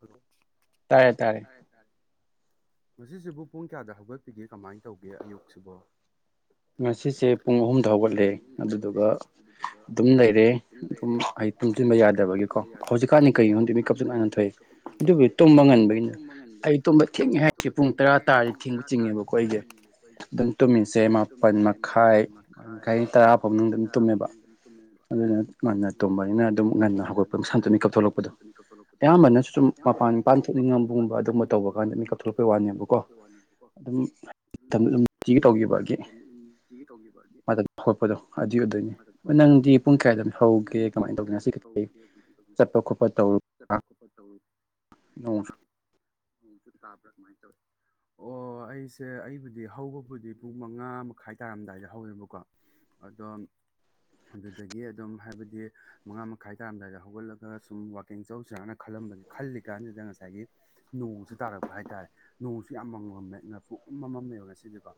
ꯍꯂ ꯇꯥꯔꯦ ꯇꯥꯔꯦ ꯇꯥꯏꯔꯦ ꯇꯥꯏꯔꯦ ꯃꯁꯤꯁꯤꯕꯨ ꯄꯨꯡ ꯀꯌꯥꯗ ꯍꯧꯒꯠꯄꯤꯒꯦ ꯀꯃꯥꯏꯅ ꯇꯧꯒꯦ ꯑꯌꯨꯛꯁꯤꯕꯣ ꯉꯁꯤꯁꯦ ꯄꯨꯡ ꯑꯍꯨꯝꯗ ꯍꯧꯒꯠꯂꯦ ꯑꯗꯨꯗꯨꯒ ꯍꯧꯒꯠꯂꯦ ꯑꯗꯨꯒ ꯑꯗꯨꯝ ꯂꯩꯔꯦ ꯑꯗꯨꯝ ꯂꯩꯔꯦ ꯑꯩ ꯇꯨꯝꯁꯤꯟꯕ ꯌꯥꯗꯕꯒꯒꯤꯀꯣ ꯍꯧꯖꯤꯛꯀꯥꯟꯗꯤ ꯀꯔꯤꯒꯤꯣꯗꯗꯤ ꯃꯤꯀꯞꯆꯠ ꯅꯥꯏꯟꯅ ꯊꯣꯛꯑꯏ ꯋꯥꯛꯀꯤꯡꯁꯦ ꯑꯗꯨꯕꯨꯗꯤ ꯇꯨꯝꯕ ꯉꯟꯕꯒꯤꯅ ꯑꯩ ꯉꯟꯕꯒꯤꯅꯤ ꯇꯨꯝꯕ ꯊꯦꯡꯉꯦ ꯍꯥꯏꯁꯦ ꯄꯨꯡ ꯇꯔꯥ ꯍꯥꯏꯁꯦ ꯇꯥꯔꯗꯤ ꯊꯦꯡꯕ ꯇꯥꯔꯤ ꯆꯤꯡꯉꯦꯕꯀꯣ ꯑꯩꯒꯤ ꯃꯥꯄꯜ ꯑꯗꯨ ꯇꯃꯤ ꯁꯦ ꯃꯥ ꯃꯈꯥꯏ ꯃꯈꯥꯏ ꯇꯔꯥ ꯐꯥꯎ ꯃꯅꯨꯡꯗ ꯑꯗꯨꯝ ꯇꯨꯝꯃꯦꯕ ꯇꯨꯝꯃꯦꯕ ꯑꯗꯨꯅ ꯉꯟꯅ ꯇꯨꯝꯕꯅꯤꯅ ꯑꯗꯨꯝ ꯉꯟꯅ ꯍꯧꯒꯠꯄꯁꯟ ꯇꯨꯅꯤ ꯀꯞꯊꯣꯛꯂꯛꯄꯗꯣ ꯑꯗꯣ ꯑꯌꯥꯝ ꯝꯕꯅꯁꯨ ꯁꯨꯝ ꯑꯌꯥꯝꯕꯅ ꯃꯄꯥꯟ ꯄꯥꯟ ꯊꯣꯛꯅꯤꯡꯉꯝꯕꯒꯨꯝꯕ ꯑꯗꯨꯒꯨꯝꯕ ꯇꯧꯕ ꯀꯥꯟꯗ ꯃꯤ ꯀꯛꯊꯣꯛꯂꯛꯄꯩ ꯋꯥꯅꯦꯕꯀꯣ ꯑꯗꯨꯝ ꯅꯨꯡꯇꯤꯒꯤ ꯇꯧꯈꯤꯕꯒꯤ ꯇꯧꯈꯤꯕꯗꯤ ꯃꯇꯝ ꯍꯧꯠꯄꯗꯣ ꯑꯗꯨꯏ ꯑꯗꯨꯏꯅꯤ ꯅꯪꯗꯤ ꯑꯗꯨ ꯄꯨꯡ ꯀꯌꯥꯗꯣ ꯍꯧꯒꯦ ꯅꯪꯗꯤ ꯀꯃꯥꯏꯅ ꯇꯧꯗꯅꯣ ꯉꯁꯤ ꯆꯠꯄ ꯈꯣꯠꯄ ꯇꯧꯔꯨ꯭ꯔ ꯇꯧꯔ ꯑꯁꯨ ꯇꯥꯕ꯭ꯔꯥ ꯑꯗꯨꯃꯥꯏꯅ ꯇꯧꯋꯤ ꯑꯣ ꯑꯩꯁꯦ ꯑꯩꯕꯨꯗꯤ ꯍꯧꯕꯕꯨꯗꯤ ꯄꯨꯡ ꯃꯉꯥ ꯃꯈꯥꯏ ꯇꯥꯔꯝꯗꯥꯏꯗ ꯍꯧꯋꯦꯕꯀꯣ ꯑꯦꯖꯣꯟ ꯑꯗꯨꯗꯒꯤ ꯑꯗꯨꯝ ꯍꯥꯏꯕꯗꯤ ꯃꯉꯥ ꯃꯈꯥꯏ ꯇꯥꯔꯝꯗꯥꯏꯗ ꯍꯧꯒꯠꯂꯒ ꯁꯨꯝ ꯋꯥꯛꯀꯤꯡ ꯆꯧꯁꯤꯅ ꯈꯜꯂꯝꯕꯁꯦ ꯈꯜꯂꯤ ꯀꯥꯟꯁꯤꯗ ꯉꯁꯥꯏꯒꯤ ꯅꯣꯡꯁꯨ ꯇꯥꯔꯛꯄ ꯍꯥꯏꯇꯥꯔꯦ ꯅꯣꯡꯁꯨ ꯌꯥꯝꯃꯃꯝꯃꯦ ꯉ ꯄꯣꯛꯃꯃꯝ ꯂꯩꯧꯦ ꯁꯤꯁꯀꯣ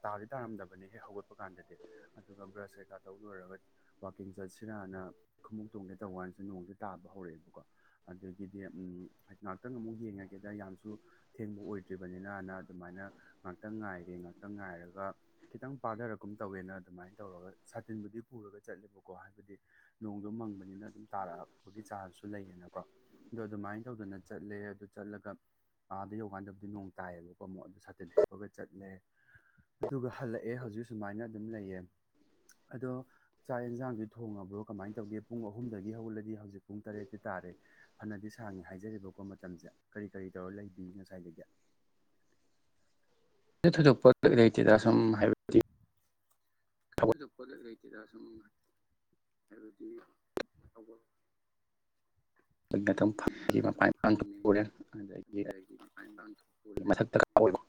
ꯇꯥꯗꯤ ꯇꯥꯔꯝꯗꯕꯅꯤ ꯍꯦꯛ ꯍꯧꯒꯠꯄ ꯀꯥꯟꯗꯗꯤ ꯑꯗꯨꯒ ꯕ꯭ꯔꯁ ꯀꯩꯀꯥ ꯇꯧꯕꯤ ꯂꯣꯏꯔꯒ ꯋꯥꯋꯥꯛꯀꯤꯡ ꯆꯠꯁꯤ ꯍꯥꯟꯅ ꯈꯣꯡꯃꯎꯣꯛ ꯇꯣꯡꯒꯦ ꯇꯧꯧꯕꯥꯟꯁꯨ ꯅꯣꯡꯁꯨꯦ ꯇꯥꯕ ꯍꯧꯔꯛꯑꯦꯕꯀꯣ ꯑꯗꯒꯤꯗꯤ ꯍꯥꯏꯗꯤ ꯉꯥꯏꯍꯥꯛꯇꯪ ꯑꯃꯨꯛ ꯌꯦꯡꯉꯒꯦꯗ ꯌꯥꯝꯁꯨ ꯊꯦꯡꯕ ꯑꯣꯏꯗ꯭ꯔꯤꯕꯅꯤꯅꯅ ꯑꯗꯨꯃꯥꯏꯅ ꯉꯥꯛꯇ ꯉꯥꯏꯔꯦ ꯉꯥꯛꯇ ꯉꯥꯏꯔꯒ ꯈꯤꯇꯪ ꯄꯥꯊꯔꯒꯨꯝ ꯇꯧꯋꯦꯅ ꯑꯗꯨꯃꯥꯏꯅ ꯇꯧꯔꯒ ꯁꯥꯤꯟ ꯗꯤ ꯄꯨꯔꯒ ꯆꯠꯂꯦꯕꯀꯣ ꯍꯥꯏꯕꯗꯤ ꯅꯣꯡꯗꯣ ꯃꯪꯕꯅꯤꯅ ꯑꯗꯨꯝ ꯇꯥꯔꯛꯑꯄꯒꯤ ꯆꯥꯟꯁꯁꯨ ꯂꯩꯌꯦꯅꯀꯣ ꯑꯣ ꯑꯗꯨꯃꯥꯏꯅ ꯇꯧꯗꯅ ꯆꯠꯂꯦ ꯑꯗꯨ ꯆꯠꯂꯒ ꯑꯥꯗ ꯌꯧꯀꯥꯟꯗꯕꯨꯗꯤ ꯅꯣꯡ ꯇꯥꯏꯌꯦꯕꯀꯣ ꯑꯃꯨꯛ ꯑꯗꯨ ꯁꯥꯇꯤꯟ ꯇꯨꯞꯄꯒ ꯆꯠꯂꯦ ꯑꯗꯨꯒ ꯍꯜꯂꯛꯑꯦ ꯍꯧꯖꯤꯛ ꯁꯨꯃꯥꯏꯅ ꯑꯗꯨꯝ ꯂꯩꯌꯦ ꯑꯗꯣ ꯆꯥꯛ ꯌꯦꯟꯁꯥꯡꯗꯨ ꯊꯣꯡꯉꯕ꯭ꯔꯣ ꯀꯃꯥꯏꯅ ꯇꯧꯒꯦ ꯄꯨꯡ ꯑꯍꯨꯝꯗꯒꯤ ꯍꯧꯜꯂꯗꯤ ꯍꯧꯖꯤꯛ ꯄꯨꯡ ꯇꯔꯦꯠꯇꯤ ꯇꯥꯔꯦ ꯐꯅꯗꯤ ꯁꯥꯡꯉꯤ ꯍꯥꯏꯖꯔꯤꯕꯀꯣ ꯃꯇꯝꯁꯦ ꯀꯔꯤ ꯀꯔꯤ ꯇꯧꯔ ꯂꯩꯕꯤ ꯉꯁꯥꯏꯗꯒꯤ ꯊꯣꯏꯗꯣꯛꯄ ꯂꯩꯇꯦꯗ ꯁꯨꯝ ꯍꯥꯏꯕꯗꯤ ꯀꯩ ꯊꯗ ꯄꯠ ꯂꯩꯇꯗ ꯁꯃ ꯍꯥꯏꯕꯗꯤ ꯑꯕꯜ ꯃꯄꯥꯟ ꯐꯝꯃꯦ ꯄꯨꯔꯦ ꯑꯗꯒꯤ ꯃꯊꯛ ꯗꯔꯀꯥꯔ ꯑꯣꯏꯕ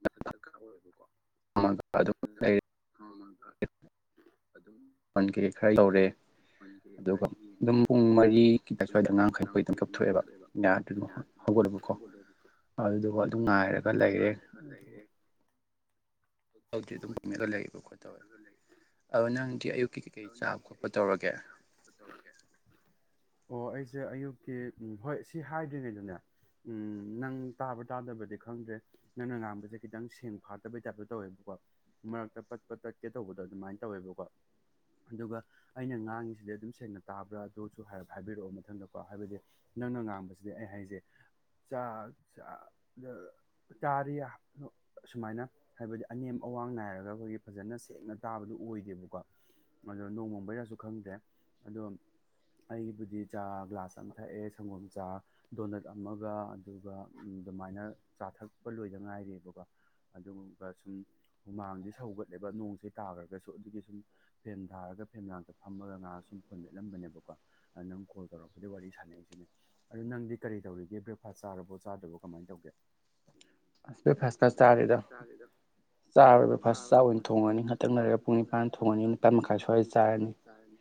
ꯃꯊ ꯀ ꯑꯣꯏ ꯑꯣꯏꯕꯀꯣ ꯄꯟ ꯈꯔ ꯌꯧꯔꯦ ꯄꯟꯈ꯭ꯔꯦ ꯈꯔ ꯌꯦꯡꯅ ꯐꯖꯅ ꯇꯧꯔꯦ ꯈꯤꯇ ꯁ꯭ꯋꯥꯏꯗ ꯇꯨꯝꯁꯤꯟꯈ꯭ꯔꯕ ꯇ ꯑꯉꯥꯡꯈꯩ ꯂꯥ ꯄꯣꯏ ꯃꯈꯣꯏ ꯑꯗꯨꯝ ꯀꯞꯊꯣꯛꯑꯦꯕ ꯀꯨꯞꯊꯣꯛꯑꯦꯕ ꯑꯗꯨꯝ ꯍꯧꯒꯠꯂꯕꯀꯣ ꯑꯗꯨꯗꯨ ꯑꯗꯨꯝ ꯉꯥꯏꯔꯒ ꯂꯩꯔꯦ ꯑꯗꯨ ꯍꯧꯗꯤ ꯑꯗꯨꯝ ꯀꯨꯝꯃꯤꯔ ꯂꯩꯕ ꯈꯣ ꯇꯋꯦ ꯂꯩꯔꯦ ꯂꯩ ꯑꯗ ꯅꯪꯗꯤ ꯑꯌꯨꯛꯀꯤ ꯀꯩꯀꯩ ꯆꯥꯕ ꯅꯪꯗꯤ ꯈꯣꯠꯄ ꯑꯌꯨꯛ ꯇꯧꯔꯒꯦ ꯇꯧꯔꯒꯦ ꯑꯣ ꯑꯩꯁꯦ ꯑꯌꯨꯛꯀꯤ ꯎꯝ ꯍꯣꯏ ꯁꯤ ꯍꯥꯏꯗ꯭ꯔꯤꯉꯩꯗꯅꯦ ꯎꯝ ꯅꯪ ꯇꯥꯕ꯭ꯔ ꯇꯥꯗꯕꯗꯤ ꯈꯪꯗ꯭ꯔꯦ ꯅꯪꯅ ꯉꯥꯡꯝꯕꯁꯦ ꯈꯤꯇꯪ ꯁꯦꯡ ꯐꯥꯠꯇꯕꯩ ꯇꯥꯏꯞꯇ ꯇꯧꯋꯦꯕꯀꯣ ꯃꯔꯛꯇ ꯄꯠꯄ ꯇꯠꯀꯦ ꯇꯧꯕꯗꯣ ꯑꯗꯨꯃꯥꯏꯅ ꯇꯧꯋꯦꯕꯀꯣ ꯑꯗꯨꯒ ꯑꯩꯅ ꯉꯥꯡꯉꯤꯁꯤꯗꯤ ꯑꯗꯨꯝ ꯁꯦꯡꯅ ꯇꯥꯕ꯭ꯔꯥ ꯑꯗꯨꯁꯨꯞ ꯍꯥꯏꯕꯤꯔꯛꯑꯣ ꯃꯊꯪꯗꯀꯣ ꯍꯥꯏꯕꯗꯤ ꯅꯪꯅ ꯉꯥꯡꯕꯁꯤꯗꯤ ꯑꯩ ꯍꯥꯏꯖꯦ ꯆꯥꯛ ꯇꯥꯔꯤ ꯑꯁꯨꯃꯥꯏꯅ ꯍꯥꯏꯕꯗꯤ ꯑꯅꯦꯝ ꯑꯋꯥꯡ ꯅꯥꯏꯔꯒ ꯑꯩꯈꯣꯏꯒꯤ ꯐꯖꯅ ꯁꯦꯡꯅ ꯇꯥꯕꯗꯨ ꯑꯣꯏꯗꯦꯕꯀꯣ ꯑꯣ ꯅꯣꯡꯃꯝꯕꯩꯔꯁꯨ ꯈꯪꯗꯦ ꯑꯗꯣ ꯑꯩꯕꯨꯗꯤ ꯆꯥ ꯒ꯭ꯂꯥꯁ ꯑꯃ ꯊꯛꯑꯦ ꯁꯪꯒꯣꯝ ꯆꯥ ꯗꯣꯅꯠ ꯑꯃꯒ ꯑꯗꯨꯒ ꯑꯗꯨꯃꯥꯏꯅ ꯆꯥꯊꯛꯄ ꯂꯣꯏꯗ ꯉꯥꯏꯔꯦꯕꯀꯣ ꯑꯗꯨꯒꯨꯝꯕ ꯁꯨꯝ ꯍꯨꯃꯥꯡꯗꯤ ꯁꯧꯒꯠ ꯑꯗꯨꯒ ꯅꯣꯡꯁꯦ ꯇꯥꯈ꯭ꯔꯒꯁꯨ ꯑꯗꯨꯒꯤ ꯁꯨꯝ ꯐꯦꯝ ꯊꯥꯔꯒ ꯐꯦꯝ ꯂꯥꯡꯇ ꯐꯝꯃꯒ ꯉꯥꯥꯡ ꯁꯨꯝ ꯐꯣꯟꯒꯠꯂꯝꯕꯅꯦꯕꯀꯣ ꯅꯪ ꯀꯣꯜ ꯇꯧꯔꯛꯄꯗꯤ ꯋꯥꯔꯤ ꯁꯥꯟꯅꯔꯤꯁꯤꯅꯦ ꯑꯗꯣ ꯅꯪꯗꯤ ꯀꯔꯤ ꯇꯧꯔꯤꯒꯦ ꯕ꯭ꯔꯦꯛꯐꯥꯥꯁ ꯆꯥꯔꯕꯣ ꯆꯥꯗꯕ ꯀꯃꯥꯏꯅ ꯇꯧꯒꯦ ꯑꯁ ꯐꯥꯔꯁ ꯀ꯭ꯂꯥꯁ ꯆꯥꯔꯤꯗ ꯆꯥꯔ ꯐꯥꯔ ꯆꯥ ꯆꯥꯛ ꯊꯣꯡꯉꯅꯤ ꯈꯛꯇꯪ ꯂꯩꯔꯦ ꯄꯨꯡ ꯅꯤꯄꯥꯟ ꯃꯈꯥꯏ ꯊꯣꯡꯉꯅꯤ ꯁ꯭ꯋꯥꯏꯗ ꯇꯈ ꯆꯥꯔꯅꯤ ꯁ꯭ꯋꯥꯏꯗ ꯆꯥꯔꯅꯤ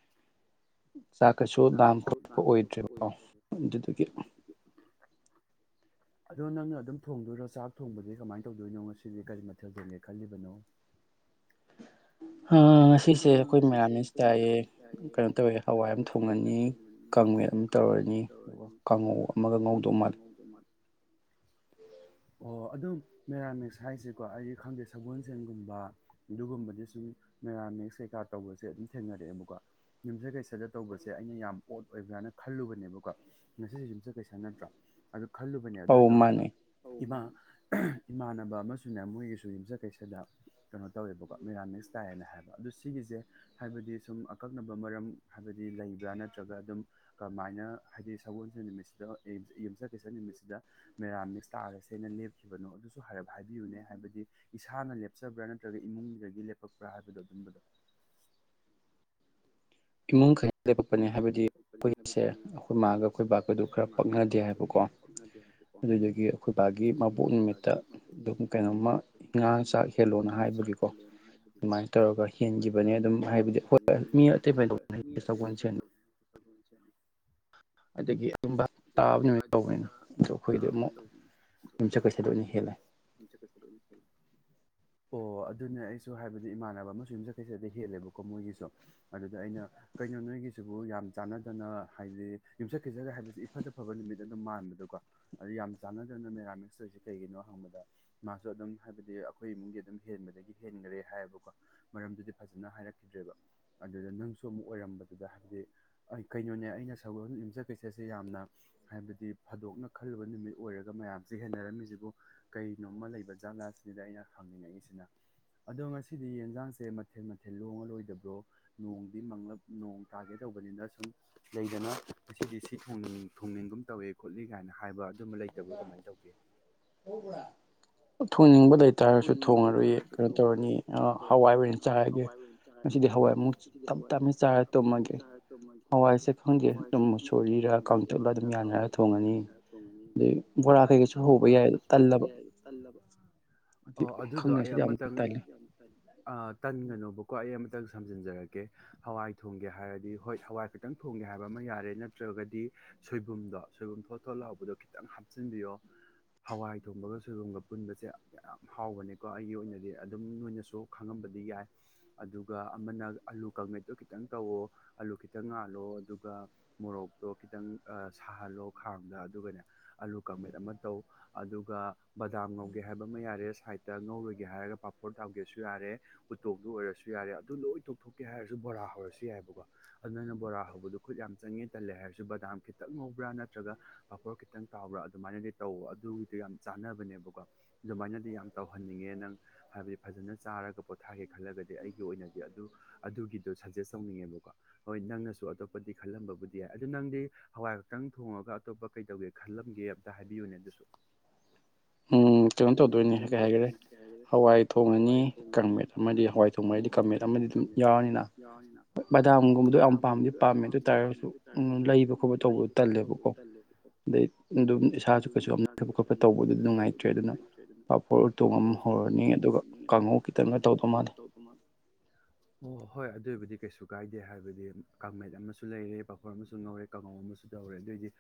ꯆꯥꯛ ꯀꯩꯁꯨ ꯂꯥꯝ ꯇꯀꯁꯨ ꯈꯣꯠꯄ ꯅꯇ꯭ꯔꯄ ꯑꯣꯏꯗ꯭ꯔꯦꯕꯀꯣ ꯑꯣꯏꯗ꯭ꯔꯦ ꯑꯗꯨꯗꯨꯒꯤ [unintelligible] ꯑꯗꯣ ꯅꯪꯅ ꯑꯗꯨꯝ ꯊꯣꯡꯗꯣꯏꯔꯣ ꯆꯥꯛ ꯊꯣꯡꯕꯗꯤ ꯀꯃꯥꯏꯅ ꯇꯧꯗꯣꯏꯅꯣ ꯉꯁꯤꯗꯤ ꯀꯔꯤ ꯃꯊꯦꯜ ꯊꯒꯦ ꯈꯜꯂꯤꯕꯅꯣ ꯑ ꯉꯁꯤꯁꯦ ꯑꯩꯈꯣꯏ ꯃꯌꯥꯝꯅꯁ ꯇꯥꯏꯌꯦ ꯀꯩꯅꯣ ꯇꯧꯋꯦ ꯍꯋꯥꯏ ꯑꯃ ꯊꯣꯡꯉꯅꯤ ꯀꯪꯉꯦ ꯀꯥꯉ ꯑꯗꯨꯝ ꯇꯧꯔꯅꯤ ꯑꯃꯒ ꯀꯃꯦ ꯉꯧꯗꯧ ꯑꯃꯒ ꯃꯥꯜꯂꯦ ꯉꯧꯗꯧ ꯃꯥ [unintelligible] ꯑꯣ ꯑꯗꯨ ꯃꯦꯔꯥꯃꯤꯛꯁ ꯍꯥꯏꯁꯦꯀꯣ ꯑꯩꯗꯤ ꯈꯪꯗꯦ ꯁꯒꯣꯜꯁꯦꯟꯒꯨꯝꯕ ꯑꯗꯨꯒꯨꯝꯕꯗꯤ ꯁꯨꯝ ꯃꯦꯔꯥꯃꯤꯛꯁ ꯑꯦ ꯀꯩꯀꯥꯔ ꯇꯧꯕꯁꯦ ꯑꯗꯨꯝ ꯊꯦꯡꯅꯔꯛꯑꯦ ꯑꯃꯨꯛꯀ ꯌꯨꯝꯁꯦ ꯀꯩꯁꯗ ꯇꯧꯕꯁꯦ ꯑꯩꯅ ꯌꯥꯝ ꯑꯣꯠ ꯑꯣꯏꯕ꯭ꯔꯥꯅ ꯈꯜꯂꯨꯕꯅꯦꯕ ꯀꯣ ꯉꯁꯤꯁꯨ ꯌꯨꯝꯁꯠ ꯀꯩꯁꯥ ꯅꯠꯇ꯭ꯔꯣ ꯑꯗꯨ ꯈꯜꯂꯨꯕꯅꯦ ꯑꯧ ꯑꯗꯨꯏꯗꯣ ꯃꯥꯅꯦ ꯏꯃꯥ ꯏꯃꯥꯟꯅꯕ ꯑꯃꯁꯨꯅꯦ ꯃꯣꯏꯒꯤꯁꯨ ꯌꯨꯝꯆꯠ ꯀꯩꯁꯠꯗ ꯀꯩꯅꯣ ꯇꯧꯋꯦꯕꯀꯣ ꯃꯤꯦꯔꯥꯃꯤꯛꯁ ꯀꯥꯏꯌꯦꯅ ꯍꯥꯏꯕ ꯑꯗꯨ ꯁꯤꯒꯤꯁꯦ ꯍꯥꯏꯕꯗꯤ ꯁꯨꯝ ꯑꯀꯛꯅꯕ ꯃꯔꯝ ꯍꯥꯏꯕꯗꯤ ꯂꯩꯕ꯭ꯔꯥ ꯅꯠꯇ꯭ꯔꯒ ꯑꯗꯨꯝ ꯀꯃꯥꯏ ꯁꯃꯥꯏꯅ ꯍꯥꯏꯗꯤ ꯁꯒꯣꯜꯁ ꯅꯨꯃꯤꯠꯁꯤꯗ ꯌꯨꯝꯁ ꯀꯩꯁ ꯅꯨꯃꯤꯠꯁꯤꯗ ꯃꯦꯔꯥꯃꯤꯛꯁ ꯇꯥꯔꯁꯦꯅ ꯂꯦꯞꯈꯤꯕ ꯣ ꯑꯗꯨꯁꯨ ꯍꯥꯏꯞ ꯍꯥꯏꯕꯤꯌꯨꯅꯦ ꯍꯥꯏꯕꯗꯤ ꯏꯁꯥꯅ ꯂꯦꯞꯆꯕ꯭ꯔꯥ ꯅꯠꯇ꯭ꯔꯒ ꯏꯃꯨꯡꯗꯒꯤ ꯂꯦꯞꯄꯛꯄ꯭ꯔꯥ ꯍꯥꯏꯕꯗꯣ ꯑꯗꯨꯝꯕꯗꯣ ꯏꯃꯨꯡ ꯈꯥꯏ ꯏꯃꯨꯡ ꯈꯩꯅꯄꯅꯤ ꯑꯩꯈꯣꯏ ꯃꯥꯒ ꯑꯩꯈꯣꯏ ꯍꯥꯏꯕꯗꯤꯁꯦ ꯕꯥꯒꯗꯨ ꯃꯒꯕ ꯈꯅꯦ ꯑꯗꯨꯗꯒꯤ ꯑꯩꯈꯣꯏ ꯕꯥꯒꯤ ꯃꯕꯣꯛ ꯅꯨꯃꯤꯠꯇ ꯑꯗꯨꯝ ꯅꯨꯃꯤꯠꯇ ꯀꯩꯅꯣꯝꯃꯥꯡ ꯀꯩꯅꯣꯝꯃ ꯆꯥꯛ ꯍꯦꯜꯂꯣꯅ ꯍꯥꯏꯕ ꯍꯥꯏꯗꯤꯀꯣ ꯑꯗꯨꯃꯥꯏꯅ ꯇꯧꯔꯒ ꯍꯦꯟꯈꯤꯕꯅꯦ ꯑꯗꯨꯝ ꯍꯥꯏꯕꯗꯤ ꯍꯣꯏ ꯃꯤ ꯑꯇꯩ ꯃꯤ ꯑꯇꯩꯁꯨ ꯆꯟꯅ ꯂꯩꯇꯕ ꯁꯒꯣꯜꯁꯦꯜ [unintelligible] ꯑꯗꯒꯤ ꯑꯗꯨꯝꯕ ꯇꯥꯕ ꯅꯨꯃꯤꯠ ꯀꯥꯏ ꯇꯧꯕꯅꯤꯅ ꯑꯗꯣ ꯑꯩꯈꯣꯏꯗ ꯑꯃꯨꯛ ꯇꯥꯕꯅ ꯌꯨꯝ ꯆꯀꯣꯏꯁꯗ ꯑꯣꯏꯅ ꯍꯦꯜꯂꯦ ꯏ ꯀꯁ ꯑꯣ ꯑꯗꯨꯅꯦ ꯑꯩꯁꯨ ꯍꯥꯏꯕꯗꯤ ꯏꯃꯥꯟꯅꯕ ꯑꯃꯁꯨ ꯌꯨꯝꯖꯠꯈꯩꯁꯗ ꯍꯦꯜꯂꯦꯕꯀꯣ ꯃꯣꯏꯒꯤꯁꯨ ꯑꯗꯨꯗ ꯑꯩꯅ ꯀꯩꯅꯣ ꯅꯣꯏꯒꯤꯁꯤꯕꯨ ꯌꯥꯝ ꯆꯥꯟꯅꯗꯅ ꯍꯥꯏꯗꯤ ꯌꯨꯝꯁ ꯈꯤꯖꯒ ꯍꯥꯏꯕꯁꯤ ꯏꯐꯠꯇ ꯐꯕ ꯅꯨꯃꯤꯠ ꯑꯗꯨꯝ ꯃꯥꯟꯕꯗꯀꯣ ꯑꯗꯨ ꯌꯥꯝ ꯆꯥꯟꯅꯗꯅ ꯃꯦꯔꯥꯃꯤꯛꯁꯇꯔꯁ ꯀꯩꯒꯤꯅꯣ ꯍꯪꯕꯗ ꯃꯥꯁꯨ ꯑꯗꯨꯝ ꯍꯥꯏꯕꯗꯤ ꯑꯩꯈꯣꯏ ꯏꯃꯨꯡꯒꯤ ꯑꯗꯨꯝ ꯍꯦꯟꯔꯦ ꯍꯥꯏꯕꯀꯣ ꯃꯔꯝꯗꯤ ꯐꯖꯅ ꯍꯥꯏꯔꯛꯗ꯭ꯔꯦꯕ ꯑꯗꯨꯗ ꯅꯪꯁꯨ ꯑꯃꯨ ꯑꯣꯏꯔꯝꯕꯗꯨꯗ ꯍꯥꯏꯕꯗꯤ ꯑꯩ ꯀꯩꯅꯣꯅꯦ ꯑꯩꯅ ꯁꯒꯜ ꯌꯨꯝꯆꯠ ꯀꯩꯆꯠꯁꯦ ꯌꯥꯝꯅ ꯍꯥꯏꯕꯗꯤ ꯐꯥꯗꯣꯛꯅ ꯈꯜꯂꯨꯕ ꯅꯨꯃꯤꯠ ꯑꯣꯏꯔꯒ ꯃꯌꯥꯝꯁꯤ ꯍꯦꯟꯅꯔꯝꯃꯤꯁꯤꯕꯨ ꯀꯩꯅꯣꯝꯃ ꯂꯩꯕ ꯖꯥꯠꯂꯥꯁꯤꯗ ꯑꯩꯅ ꯍꯪꯅꯤꯡꯉꯛꯏꯁꯤꯅ ꯑꯗꯣ ꯉꯁꯤꯗꯤ ꯌꯦꯟꯖꯥꯡꯁꯦ ꯃꯊꯦꯜ ꯃꯊꯦꯜ ꯂꯣꯡꯂ ꯂꯣꯏꯗꯕ꯭ꯔꯣ ꯅꯣꯡꯗꯤ ꯃꯪꯂ ꯅꯣꯡ ꯇꯥꯒꯦ ꯇꯧꯕꯅꯤꯅ ꯁꯨꯝ ꯂꯩꯗꯅ ꯉꯗꯤ ꯁꯤ ꯊꯣꯡꯅꯤꯡ ꯊꯣꯡꯅꯤꯡꯒꯨꯝ ꯇꯧꯋ ꯈꯣꯠꯂꯤ ꯀꯥꯏꯅ ꯍꯥꯏꯕ ꯑꯗꯨꯝꯕ ꯂꯩꯇꯕ꯭ꯔꯣ ꯀꯃꯥꯏꯅ ꯇꯧꯒꯦ ꯍ ꯊꯣꯡꯅꯤꯡꯕ ꯂꯩꯇꯥꯥꯔꯁꯨ ꯊꯣꯡꯅꯤꯡꯕ ꯊꯣꯡꯉꯔꯨꯏ ꯂꯩꯇꯥꯥꯔꯁꯨ ꯀꯩꯅꯣ ꯇꯧꯔꯅꯤ ꯊꯣꯡꯉꯔꯣꯏꯌꯦ ꯀꯩꯅꯣ ꯍꯋꯥꯏ ꯇꯧꯔꯅꯤ ꯑꯣꯏꯅ ꯆꯥꯏꯔꯒꯦ ꯍꯋꯥꯏ ꯑꯣꯏꯅ ꯆꯥꯔꯒꯦ ꯉꯁꯤꯗꯤ ꯍꯋꯥꯏ ꯞ ꯑꯗꯨꯗꯤ ꯍꯋꯥꯏ ꯇꯞ ꯃꯨꯛꯇ ꯆꯥꯔ ꯇꯨꯝꯃꯒꯦ ꯇꯨꯝꯃꯒꯦ ꯍꯋꯥꯏꯁꯦ ꯈꯪꯗꯦ ꯍꯋꯥꯏꯁꯦ ꯑꯗꯨꯝ ꯈꯪꯗꯦ ꯁꯣꯔꯤꯔ ꯆꯝꯅ ꯀꯥꯎꯊ ꯑꯗꯨꯝ ꯀꯥꯡꯁꯣꯏ ꯌꯥꯅꯔꯒ ꯊꯣꯡꯉꯅꯤ ꯑꯗꯩ ꯕꯣꯔꯥ ꯀꯩꯀꯩꯁꯨ ꯍꯧꯕ ꯌꯥꯏ ꯇꯜꯂꯕ ꯌꯥꯏꯜꯂꯕ ꯑꯣ ꯑꯗꯨꯗꯣ ꯈꯪꯗꯦ ꯑꯩ ꯁꯤꯗꯤ ꯌꯥꯝ ꯑꯃꯇꯪ ꯇꯜꯂꯦ ꯌꯥꯝ ꯇꯟꯒꯅꯣꯕꯀꯣ ꯑꯩ ꯑꯃꯇꯪ ꯁꯝꯖꯤꯟꯖꯔꯛꯀꯦ ꯍꯋꯥꯏ ꯊꯣꯡꯒꯦ ꯍꯥꯏꯔꯗꯤ ꯍꯣꯏ ꯍꯋꯥꯏ ꯈꯇꯪ ꯊꯣꯡꯒꯦ ꯍꯥꯏꯕ ꯑꯃ ꯌꯥꯔꯦ ꯅꯠꯇ꯭ꯔꯒꯗꯤ ꯁꯣꯏꯕꯨꯝꯗꯣ ꯁꯣꯏꯕꯨꯝ ꯊꯣꯠ ꯊꯣ ꯂ ꯍꯧꯕꯗꯣ ꯈꯤꯇꯪ ꯍꯥꯞꯆꯤꯟꯕꯤꯌꯣ ꯍꯋꯥꯏ ꯊꯣꯡꯕꯒ ꯁꯣꯏꯕꯨꯝꯒ ꯄꯨꯟꯕꯁꯦ ꯌꯥꯝ [unintelligible] ꯍꯥꯎꯕꯅꯦꯀꯣ ꯑꯩꯒꯤ ꯑꯣꯏꯅꯗꯤ ꯑꯗꯨꯝ ꯅꯣꯏꯅꯁꯨ ꯈꯪꯉꯝꯕꯗꯤ ꯌꯥꯏ ꯑꯗꯨꯒ ꯑꯃꯅ ꯑꯂꯨ ꯠꯇꯣ ꯈꯤꯇꯪ ꯇꯧꯋꯣ ꯑꯥꯂꯨ ꯈꯤꯇꯪ ꯉꯥꯜꯂꯣ ꯑꯗꯨꯒ ꯃꯣꯔꯣꯛꯇꯣ ꯈꯤꯇꯪ ꯁꯥꯍꯜꯂꯣ ꯈꯥꯡꯗ ꯑꯗꯨꯒꯅꯦ ꯑꯂꯨ ꯀꯃꯦꯠ ꯑꯃ ꯇꯧ ꯑꯗꯨꯒ ꯕꯗꯥꯝ ꯉꯧꯒꯦ ꯍꯥꯏꯕ ꯑꯃ ꯌꯥꯔꯦ ꯁꯥꯏꯠꯇ ꯉꯧꯔꯣꯏꯒꯦ ꯍꯥꯏꯔꯒ ꯄꯥꯐꯣꯔ ꯇꯥꯒꯦꯁꯨ ꯌꯥꯔꯦ ꯎꯇꯣꯛꯇ ꯑꯣꯏꯔꯁꯨ ꯌꯥꯔꯦ ꯑꯗꯨ ꯂꯣꯏꯊꯣꯛꯀꯦ ꯍꯥꯏꯔꯁꯨ ꯕꯣꯔꯥ ꯍꯧꯔꯁꯨ ꯌꯥꯏꯕꯀꯣ ꯑꯗꯨꯅ ꯅꯅ ꯕꯣꯔꯥ ꯍꯧꯕꯗꯣ ꯈꯨꯠ ꯌꯥꯝ ꯆꯪꯉꯦ ꯇꯜꯂꯦ ꯍꯥꯏꯔꯁꯨ ꯕꯗꯥꯝ ꯈꯤꯇꯪ ꯉꯧꯕ꯭ꯔꯥ ꯅꯠꯇ꯭ꯔꯒ ꯄꯥꯄꯣꯔ ꯈꯤꯇꯪ ꯇꯥꯎꯕ꯭ꯔꯥ ꯑꯗꯨꯃꯥꯏꯅꯗꯤ ꯇꯧꯕ ꯑꯗꯨꯒꯤꯗꯤꯣ ꯌꯥꯝ ꯆ ꯆꯥꯅꯕꯅꯦꯕꯀꯣ ꯑꯗꯨꯃꯥꯏꯅꯗꯤ ꯌꯥꯝ ꯇꯧꯍꯟꯅꯤꯡꯉꯦ ꯅꯪ ꯍꯥꯏꯕꯗꯤ ꯐꯖꯅ ꯆꯥꯔꯒ ꯄꯣꯠ ꯊꯥꯒꯦ ꯈꯜꯂꯒꯗꯤ ꯑꯩꯒꯤ ꯑꯣꯏꯅꯗꯤ ꯑꯗꯨ ꯑꯗꯨꯒꯤꯗꯣ ꯁꯖꯦꯁ ꯇꯧꯅꯤꯡꯉꯦꯕꯀꯣ ꯍꯣꯏ ꯅꯪꯅꯁꯨ ꯑꯇꯣꯞꯄꯗꯤ ꯈꯜꯂꯝꯕꯕꯨꯗꯤ ꯌꯥꯏ ꯑꯗꯨ ꯅꯪꯗꯤ ꯍꯋꯥꯏ ꯈꯛꯇꯪ ꯊꯣꯡꯉꯒ ꯑꯇꯣꯞꯄ ꯀꯩꯗꯧꯒꯦ ꯈꯜꯂꯝꯒꯦ ꯑꯝꯇ ꯍꯥꯏꯕꯤꯌꯨꯅꯦ ꯑꯗꯨꯁꯨ ꯎ ꯎ ꯀꯩꯅꯣ ꯎꯝ ꯇꯧꯗꯣꯏꯅꯦ ꯀꯩꯅꯣ ꯀꯩ ꯍꯥꯏꯒꯔꯦ ꯇꯧꯗꯣꯏꯅꯤ ꯀꯩ ꯍꯥꯏꯒꯔꯦ ꯍꯋꯥꯏ ꯊꯣꯡꯉꯅꯤ ꯊꯣꯡꯉꯅꯤ ꯀꯪꯃꯦꯠ ꯑꯃꯗꯤ ꯀꯪꯃꯦꯠ ꯍꯋꯥꯏ ꯊꯣꯡꯕ ꯍꯥꯏꯗꯤ ꯀꯪ ꯊꯣꯡꯉꯗꯤ ꯀꯪꯃꯦꯠ ꯌꯥꯎꯅꯤꯅ ꯑꯃꯗꯤ ꯌꯥꯎꯔꯅꯤꯅ ꯕꯝꯒꯨꯝꯕ ꯌꯥꯝꯝ ꯄꯥꯝ ꯑꯗꯨ ꯑꯣꯏ ꯇꯔ ꯑꯥꯐꯇꯔ ꯊꯕꯛ ꯈꯣꯠꯄ ꯇꯧꯕꯗꯣ ꯇꯜꯂꯦꯕꯀꯣ ꯑꯗꯩ ꯑꯗꯨꯝ ꯏꯁꯥꯁꯨ ꯀꯩꯁꯨ ꯑ ꯊꯕꯛ ꯈꯣꯠꯄ ꯑꯗꯨꯝ ꯇꯧꯕꯗꯨ ꯅꯨꯡꯉꯥꯏꯇ꯭ꯔꯦ ꯑꯗꯨꯅ ꯄꯥꯐꯣꯔ ꯇꯣꯡꯉꯝ ꯍꯧꯔꯅꯤ ꯑꯗꯨꯒ ꯀꯥꯡꯍꯧ ꯈꯤꯇꯪꯒ ꯇꯧꯗꯧ ꯃꯥꯜꯂꯦ ꯑꯣ ꯍꯣꯏ ꯑꯗꯨ ꯀꯩꯁꯨ ꯀꯥꯏꯗꯦ ꯍꯥꯏꯕꯗꯤ ꯀꯥꯃꯦꯠ ꯑꯃꯁꯨ ꯂꯩꯔꯦ ꯄꯥꯄꯔ ꯑꯃꯁꯨ ꯉꯧꯔꯦ ꯀꯥꯡꯉꯧ ꯑꯃꯁꯨ ꯇꯧꯔꯦ ꯑꯗꯨꯑꯣꯏꯗꯤ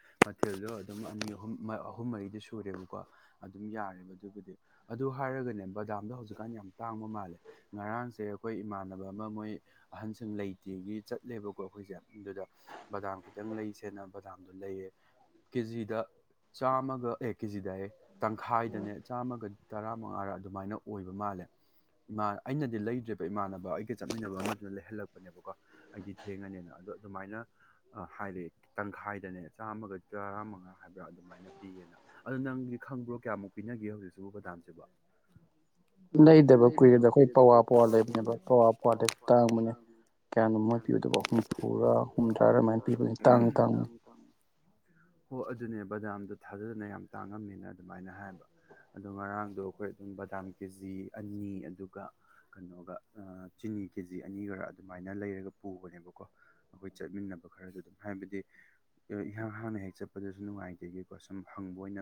ꯍꯦꯜꯗꯣ ꯑꯗꯨꯝ ꯑꯅꯤ ꯑꯍꯨꯝ ꯑꯍꯨꯝ ꯃꯔꯤꯗꯤ ꯁꯨꯔꯦꯕꯀꯣ ꯑꯗꯨꯝ ꯌꯥꯔꯦꯕ ꯑꯗꯨꯕꯨꯗꯤ ꯑꯗꯨ ꯍꯥꯏꯔꯒꯅꯦ ꯕꯗꯥꯝꯗꯣ ꯍꯧꯖꯤꯛꯀꯥꯟ ꯌꯥꯝ ꯇꯥꯡꯕ ꯃꯥꯜꯂꯦ ꯉꯔꯥꯡꯁꯦ ꯑꯩꯈꯣꯏ ꯏꯃꯥꯟꯅꯕ ꯑꯃ ꯃꯣꯏ ꯑꯍꯟꯁꯤꯡ ꯂꯩꯇꯦꯒꯤ ꯆꯠꯂꯦꯕꯀꯣ ꯑꯩꯈꯣꯏꯁꯦ ꯑꯗꯨꯗ ꯕꯗꯥꯝ ꯈꯤꯇꯪ ꯂꯩꯁꯦꯅ ꯃꯝꯗꯣ ꯂꯩꯌꯦ ꯀꯦꯖꯤꯗ ꯆꯥꯝꯃꯒ ꯑꯦ ꯀꯦꯖꯤꯗ ꯑꯩ ꯇꯪꯈꯥꯏꯗꯅꯦ ꯆꯥꯝꯃꯒ ꯇꯔꯥ ꯃꯉꯥꯔ ꯑꯗꯨꯃꯥꯏꯅ ꯑꯣꯏꯕ ꯃꯥꯜꯂꯦ ꯃꯥ ꯑꯩꯅꯗꯤ ꯂꯩꯗ꯭ꯔꯤꯕ ꯏꯃꯥꯟꯅꯕ ꯑꯩꯒ ꯆꯠꯃꯤꯟꯅꯕ ꯑꯃꯗꯨꯅ ꯂꯩꯍꯜꯂꯛꯄꯅꯦꯕꯀꯣ ꯑꯩꯗꯤ ꯊꯦꯡꯉꯅꯤꯅ ꯑꯗꯣ ꯑꯗꯨꯃꯥꯏꯅ ꯍꯥꯏꯗꯤ ꯇꯪꯈꯥꯏꯗꯅꯦ ꯆꯥꯝꯃꯒ ꯇꯔꯥꯃꯉꯥ ꯍꯥꯏꯕ꯭ꯔꯥ ꯑꯗꯨꯃꯥꯏꯅ ꯄꯤꯌꯦꯅ ꯑꯗꯨꯗꯣ ꯅꯪꯗꯤ ꯈꯪꯕ꯭ꯔꯣ ꯀꯌꯥꯃꯨꯛ ꯄꯤꯅꯒꯦ ꯍꯧꯖꯤꯛꯁꯤꯕꯨ ꯕꯗꯥꯝꯁꯤꯕ ꯂꯩꯗꯕ ꯀꯨꯏꯔꯗꯕ ꯑꯩꯈꯣꯏ ꯄꯋꯥ ꯄꯋꯥ ꯂꯩꯕꯅꯦꯕ ꯄꯋꯥ ꯄꯋꯥ ꯂꯩꯁꯨ ꯇꯥꯡꯕꯅꯦ ꯀꯌꯥꯅꯣ ꯃꯣꯣꯏ ꯄꯤꯌꯨ ꯑꯗꯨꯕꯨ ꯍꯨꯝꯐꯨꯔꯥ ꯍꯨꯝꯗ꯭ꯔꯥꯔ ꯑꯗꯨꯃꯥꯏꯅ ꯄꯤꯕꯅꯤ ꯇꯥꯡꯉꯤ ꯇꯥꯡꯉꯤ ꯍꯣ ꯑꯗꯨꯅꯦ ꯕꯗꯥꯝꯗꯣ ꯊꯥꯖꯗꯅ ꯌꯥꯝ ꯇꯥꯡꯉꯝꯃꯦꯅ ꯑꯗꯨꯃꯥꯏꯅ ꯍꯥꯏꯕ ꯑꯗꯣ ꯉꯔꯥꯡꯗꯣ ꯑꯩꯈꯣꯏ ꯑꯗꯨꯝ ꯕꯗꯥꯝ ꯀꯦ ꯖꯤ ꯑꯅꯤ ꯑꯗꯨꯒ ꯀꯩꯅꯣꯒ ꯆꯤꯅꯤ ꯀꯦ ꯖꯤ ꯑꯅꯤ ꯈꯔ ꯑꯗꯨꯃꯥꯏꯅ ꯂꯩꯔꯒ ꯄꯨꯕꯅꯦꯕꯀꯣ ꯑꯩꯈꯣꯏ ꯆꯠꯃꯤꯟꯅꯕ ꯈꯔꯁꯨ ꯑꯗꯨꯝ ꯍꯥꯏꯕꯗꯤ ꯏꯍꯥꯡ ꯍꯥꯡꯅ ꯍꯦꯛ ꯆꯠꯄꯗꯁꯨ ꯅꯨꯡꯉꯥꯏꯖꯒꯀꯣ ꯁꯨꯝ ꯍꯪꯕ ꯑꯣꯏꯅ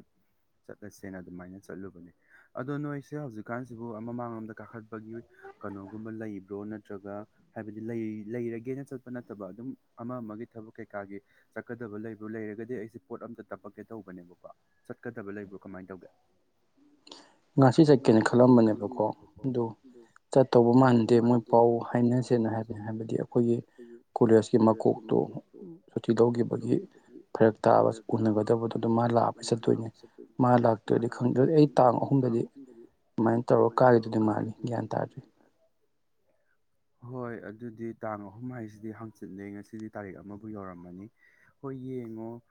ꯆꯠꯂꯁꯦꯅ ꯑꯗꯨꯃꯥꯏꯅ ꯆꯠꯂꯨꯕꯅꯦ ꯑꯗꯣ ꯅꯣꯏꯁꯦ ꯍꯧꯖꯤꯛꯀꯥꯟꯁꯤꯕꯨ ꯃꯃꯥꯡꯂꯣꯝꯗ ꯀꯥꯈꯠꯄꯒꯤ ꯀꯩꯅꯣꯒꯨꯝꯕ ꯂꯩꯕ꯭ꯔꯣ ꯅꯠꯇ꯭ꯔꯒ ꯍꯥꯏꯕꯗꯤ ꯂꯩꯔꯒꯦꯅ ꯆꯠꯄ ꯅꯠꯇꯕ ꯑꯗꯨꯝ ꯑꯃ ꯑꯃꯒꯤ ꯊꯕꯛ ꯀꯩꯀꯥꯒꯤ ꯆꯠꯀꯗꯕ ꯂꯩꯕ꯭ꯔꯣ ꯂꯩꯔꯒꯗꯤ ꯑꯩꯁꯦ ꯄꯣꯠ ꯑꯝꯇ ꯇꯞꯄꯛꯀꯦ ꯇꯧꯕꯅꯦꯕꯀꯣ ꯆꯠꯀꯗꯕ ꯂꯩꯕ꯭ꯔꯣ ꯀꯃꯥꯏꯅ ꯇꯧꯒꯦ ꯉꯥꯁꯤ ꯆꯠꯀꯦꯅ ꯉꯁꯤ ꯈꯜꯂꯝꯕꯅꯦꯕꯀꯣ ꯈꯜꯂꯝꯕꯅꯦ ꯑꯗꯨ ꯑꯗꯣ ꯆꯠꯇꯧꯕ ꯆꯠ ꯃꯥꯟꯗꯦ ꯃꯣꯏ ꯄꯥꯎ ꯍꯥꯏꯅꯁꯦꯅ ꯍꯥꯏꯕꯅꯤ ꯍꯥꯏꯕꯗꯤ ꯑꯩꯈꯣꯏꯒꯤ ꯀꯣꯂꯦꯖꯀꯤ ꯃꯀꯣꯛꯇꯨ ꯁꯨꯇꯤ ꯂꯧꯈꯤꯕꯒꯤ ꯐꯔꯛ ꯇꯥꯕ ꯎꯅꯒꯗꯕꯗꯨꯗ ꯃꯥ ꯂ ꯂ ꯆꯠꯇꯣꯏꯅꯦ ꯃꯥ ꯂꯥꯛꯇꯣꯏꯗꯤ ꯑꯗꯨꯗꯤ ꯑꯩ ꯇꯥꯡ ꯑꯍꯨꯝꯗꯗꯤ ꯀꯃꯥꯏꯅ ꯇꯧꯔꯒ ꯀꯥꯒꯦꯗꯨꯗꯤ ꯃꯥꯜꯂꯤ ꯒ꯭ꯌꯥꯟ ꯇꯥꯗ꯭ꯔꯤ ꯎ ꯍꯣꯏ ꯑꯗꯨꯗꯤ ꯇꯥꯡ ꯑꯍꯨꯝ ꯍꯥꯏꯁꯤꯗꯤ ꯍꯥꯡꯆꯤꯠꯅꯦ ꯉꯁꯤꯗꯤ ꯇꯥꯔꯤꯛ ꯑꯃꯕꯨꯥꯎ ꯌꯧꯔꯝꯃꯅꯤ ꯍꯣꯏ ꯌꯦꯡꯉꯣ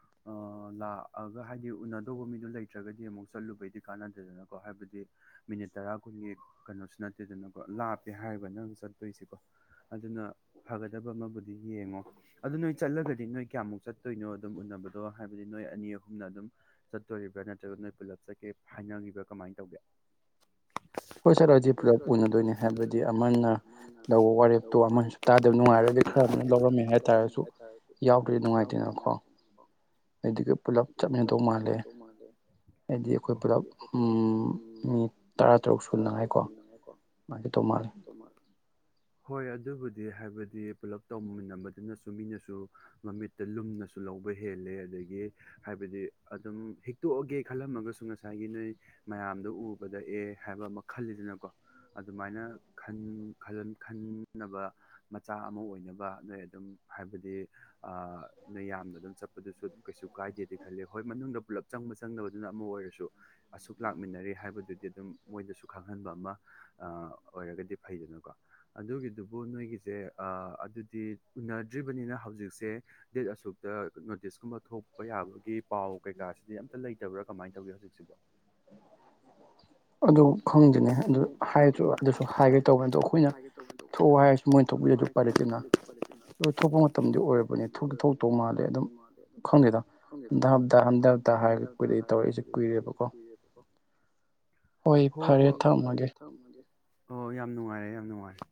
ꯂꯥꯛꯑꯒ ꯍꯥꯏꯗꯤ ꯎꯅꯗꯧꯕ ꯃꯤꯗꯨꯣ ꯂꯩꯇ꯭ꯔꯒꯗꯤ ꯑꯃꯨꯛ ꯆꯠꯂꯨꯕꯩꯗꯤ ꯀꯥꯟꯅꯗꯦꯗꯅꯀꯣ ꯍꯥꯏꯕꯗꯤ ꯃꯤꯅꯤꯠ ꯇꯔꯥ ꯀꯨꯟꯒꯤ ꯀꯩꯅꯣꯁꯨ ꯅꯠꯇꯦꯗꯅꯀꯣ ꯂꯥꯞꯄꯦ ꯍꯥꯏꯔ ꯆꯣꯏꯣ ꯑꯗꯨꯅ ꯐꯒꯗꯕꯕꯨ ꯌꯦꯡꯉꯣ ꯑꯗꯨ ꯅꯣꯏ ꯆꯠꯂꯒꯗꯤ ꯅꯣꯏ ꯀꯌꯥꯃꯨꯛ ꯆꯠꯇꯣꯏꯅꯣ ꯑꯗꯨꯝ ꯎꯅꯕꯗꯣ ꯍꯥꯏꯕꯗꯤ ꯅꯣꯏ ꯑꯅꯤ ꯑꯍꯨꯝꯅ ꯑꯗꯨꯝ ꯆꯠꯇꯣꯔꯤꯕ꯭ꯔꯥ ꯅꯠꯇ꯭ꯔꯒ ꯄꯨꯂꯞ ꯆꯠꯒꯦ ꯍꯥꯏꯅꯈꯤꯕ꯭ꯔꯥ ꯀꯃꯥꯏꯅ ꯇꯧꯒꯦ ꯎ ꯍꯣꯏ ꯁꯥꯔ ꯍꯧ ꯄꯨꯂꯞ ꯎꯅꯗꯣꯏꯅꯤ ꯍꯥꯏꯕꯗꯤ ꯑꯃꯅ ꯂꯧꯕ ꯋꯥꯔꯦꯞꯇꯣ ꯄꯨꯂꯞ ꯑꯃꯅꯁꯨ ꯇꯥꯗꯕ ꯅꯨꯡꯉꯥꯏꯔꯗꯤ ꯑꯗꯒꯤ ꯈꯔ ꯑꯃꯅ ꯑꯩꯈꯣꯏ ꯂꯧꯔꯝꯃꯦ ꯍꯥꯏꯇꯥꯔꯁꯨ ꯌꯥꯎꯗ꯭ꯔꯗꯤ ꯅꯨꯡꯉꯥꯏꯇꯦꯅꯀꯣ ꯑꯩꯗꯤꯒ ꯄꯨꯂꯞ ꯆꯞꯃꯤꯗꯧ ꯃꯥꯜꯂꯦ ꯍꯥꯏꯗꯤ ꯑꯩꯈꯣꯏ ꯄꯨꯂꯞ ꯎꯝ ꯃꯤ ꯇꯔꯥ ꯎꯝ ꯇꯔꯨꯛ ꯁꯨꯅꯉꯥꯏꯀꯣ ꯃꯥꯒꯤ ꯇꯣ ꯃꯥꯔ ꯍꯣꯏ ꯑꯗꯨ ꯑꯗꯨꯕꯨꯗꯤ ꯍꯥꯏꯕꯗꯤ ꯄꯨꯂꯞ ꯇꯧꯃꯤꯟꯅꯕꯗꯨꯅꯁꯨ ꯃꯤꯅꯁꯨ ꯃꯃꯤꯠꯇ ꯂꯨꯝꯅꯁꯨ ꯂꯧꯕ ꯍꯦꯜꯂꯤ ꯑꯗꯒꯤ ꯍꯥꯏꯕꯗꯤ ꯑꯗꯨꯝ ꯍꯤꯛꯇꯣꯛꯑꯒꯦ ꯈꯜꯂꯝꯃꯒꯁꯨ ꯉꯁꯥꯏꯒꯤ ꯅꯣꯏ ꯃꯌꯥꯝꯗꯣ ꯎꯕꯗ ꯑꯦ ꯍꯥꯏꯕ ꯑꯃ ꯈꯜꯂꯤꯗꯅꯀꯣ ꯑꯗꯨꯃꯥꯏꯅ ꯈꯟꯅꯕ ꯃꯆꯥ ꯑꯃ ꯑꯣꯏꯅꯕ ꯅꯗꯣꯏ ꯑꯗꯨꯝ ꯍꯥꯏꯕꯗꯤ ꯅꯣꯏ ꯌꯥꯝꯅ ꯑꯗꯨꯝ ꯆꯠꯄꯗꯨꯁꯨ ꯑꯗꯨꯝ ꯀꯩꯁꯨ ꯀꯥꯏꯗꯦꯗꯤ ꯈꯜꯂꯤꯦ ꯍꯣꯏ ꯃꯅꯨꯡꯗ ꯄꯨꯂꯞ ꯆꯪꯕꯁꯦ ꯆꯪꯗꯕꯗꯨꯅ ꯑꯃ ꯑꯣꯏꯔꯁꯨ ꯑꯁꯨꯛ ꯂꯥꯛꯃꯤꯟꯅꯔꯦ ꯍꯥꯏꯕꯗꯨꯗꯤ ꯑꯗꯨꯝ ꯃꯣꯏꯗꯁꯨ ꯈꯪꯍꯟꯕ ꯑꯃ ꯐ ꯑꯗꯨ ꯎ꯭ ꯑꯅ ꯍꯧꯖꯤꯛꯁꯦ ꯗꯦꯠ ꯑꯁꯨꯛꯇ ꯅꯣꯇꯤꯁꯀꯨꯝꯕ ꯊꯣꯛꯄ ꯌꯥꯕꯒꯤ ꯄꯥꯎ ꯀꯩꯀꯥꯁꯤꯗꯤ ꯂꯩꯇꯕ꯭ꯔꯥ ꯀꯃꯥꯏꯅ ꯇꯧꯒꯦ ꯍꯧꯖꯤꯛꯁꯤꯕ ꯑꯗꯨ ꯈꯪꯗꯅꯦ ꯑꯗꯨ ꯍꯥꯏꯔꯁꯨ ꯑꯗꯨ ꯑꯗꯨꯁꯨ ꯍꯥꯏꯒꯦ ꯍꯥꯏꯁꯨ ꯇꯧꯕꯅꯦ ꯑꯗꯣ ꯑꯩꯁꯨ ꯑꯩꯈꯣꯏꯅ ꯍꯥꯏꯒꯦ ꯇꯧꯕꯅꯦ ꯊꯣꯛꯑꯣ ꯍꯥꯏꯔꯁꯨ ꯃꯣꯏꯅ ꯊꯣꯛꯧꯕꯤꯔ ꯑꯗꯨ ꯄꯥꯏꯔꯦ ꯑꯗꯨ ꯑꯩꯈꯣꯏꯅ ꯂꯣꯏ ꯊꯣꯛꯄ ꯃꯇꯝꯗꯤ ꯑꯣꯏꯔꯕꯅꯤ ꯊꯣꯛꯀꯤ ꯊꯣꯛꯇꯧ ꯃꯥꯜꯂꯦ ꯑꯗꯨꯝ ꯈꯪꯗꯦꯗ ꯍꯟꯗ ꯍꯞꯇꯥ ꯍꯟꯗ ꯪꯒꯤꯗꯣꯞ ꯍꯞꯇꯥ ꯍꯥꯏꯔꯒ ꯍꯟꯗ ꯀꯨꯏꯔꯛꯏ ꯍꯥꯏꯔ ꯇꯧꯔꯛꯏꯁꯦ ꯀꯨꯏ ꯇꯧꯔꯛꯏꯁꯦ ꯀꯨꯏꯔꯦꯕꯀꯣ ꯀꯨꯏꯔꯦꯕꯀꯣ ꯍꯣꯏ ꯐꯔꯦ ꯊ ꯐꯔꯦ ꯊꯥꯎ ꯃꯦ ꯑꯣ ꯌꯥꯝ ꯅꯨꯡꯉꯥꯏꯔꯦ ꯌꯥꯝ ꯅꯨꯡꯉꯥꯏꯔꯦ